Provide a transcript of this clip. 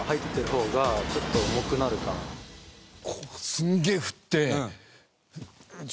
すっげえ振って。